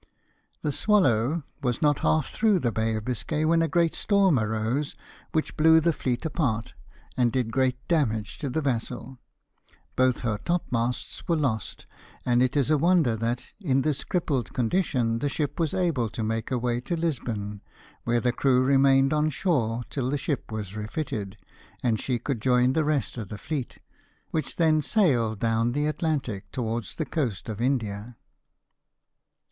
The 'Swallow' was not half through the Bay of Biscay when a great storm arose which blew the fleet apart, and did great damage to the vessel. Both her topmasts were lost, and it is a wonder that, in this crippled condition, the ship was able to make her way to Lisbon, where the crew remained on shore till the ship was refitted, and she could join the rest of the fleet, which then set sail down the Atlantic towards the coast of India.